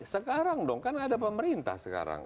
sekarang dong kan ada pemerintah sekarang